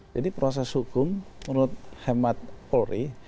jadi proses hukum menurut hemat polri